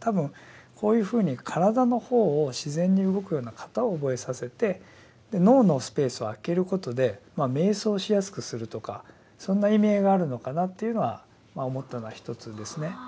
多分こういうふうに体の方を自然に動くような形を覚えさせて脳のスペースを空けることで瞑想しやすくするとかそんな意味合いがあるのかなというのは思ったのは一つですね。